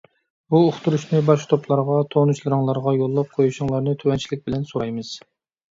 بۇ ئۇقتۇرۇشنى باشقا توپلارغا، تونۇشلىرىڭلارغا يوللاپ قويۇشۇڭلارنى تۆۋەنچىلىك بىلەن سورايمىز.